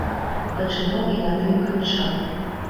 Пачынаў і на тым канчаў.